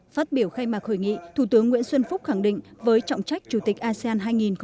phát biểu khai mạc hội nghị thủ tướng nguyễn xuân phúc khẳng định với trọng trách chủ tịch asean hai nghìn hai mươi